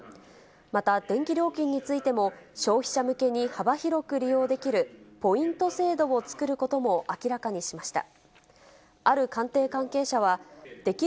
また、電気料金についても、消費者向けに幅広く利用できるポイント制度を作ることも明らかにしました。